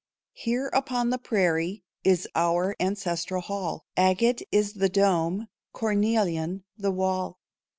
Here upon the prairie Is our ancestral hall. Agate is the dome, Cornelian the wall.